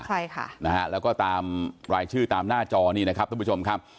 ใช่ค่ะนะฮะแล้วก็ตามรายชื่อตามหน้าจอนี่นะครับท่านผู้ชมครับ